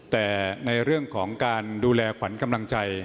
แต่ในเรื่องของการดูแลขวัญกำลังใจ